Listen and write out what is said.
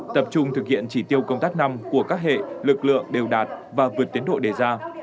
tập trung thực hiện chỉ tiêu công tác năm của các hệ lực lượng đều đạt và vượt tiến độ đề ra